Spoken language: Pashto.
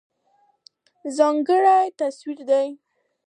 ځغاسته د خپلو غوښتنو پوره کولو وسیله ده